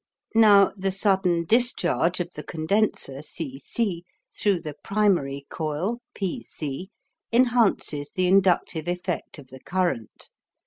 Now, the sudden discharge of the condenser C C through the primary coil P C enhances the inductive effect of the current.